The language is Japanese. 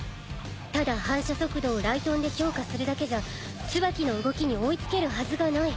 ただ反射速度を雷で強化するだけじゃツバキの動きに追いつけるはずがない。